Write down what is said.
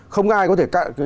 không ai có thể cạn